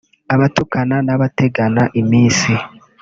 abatukana n’abategana iminsi